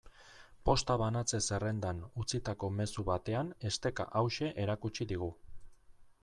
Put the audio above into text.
Posta banatze-zerrendan utzitako mezu batean esteka hauxe erakutsi digu.